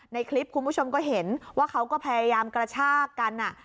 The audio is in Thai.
ในคลิปคุณผู้ชมก็เห็นว่าเขาก็พยายามกระชากกัน